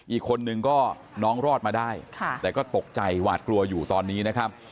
อีกคนนึงก็น้องรอดมาได้แต่ก็ตกใจหวาดกลัวอยู่ตอนนี้นะครับ